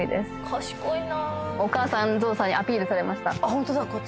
賢いなお母さん象さんにアピールされましたあっ